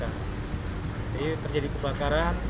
jadi terjadi kebakaran